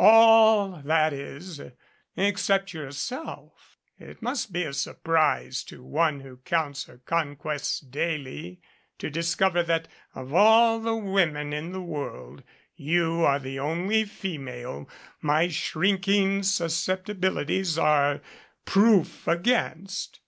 "All that is except yourself. It must be a surprise to one who counts her conquests daily to discover that, of all the women in the world, you are the only female my shrinking susceptibilities are proof against."